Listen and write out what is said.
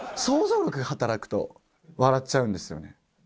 想像力が働くと、笑っちゃうんですよね。